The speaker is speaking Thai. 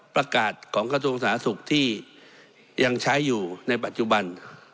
ประกาศของกระทรวงสาธารณสุขที่ยังใช้อยู่ในปัจจุบัน